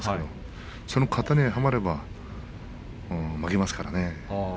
その型にはまれば負けますからね。